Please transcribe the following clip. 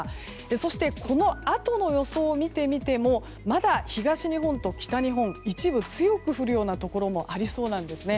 そしてこのあとの予想を見てみてもまだ東日本と北日本一部強く降るようなところもありそうなんですね。